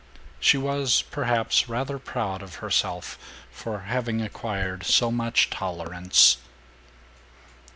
She was, perhaps, rather proud of herself for having acquired so much tolerance.